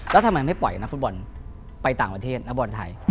แล้วทำไมไม่ปล่อยนักฟุตบอลไปต่างประเทศนักบอลไทย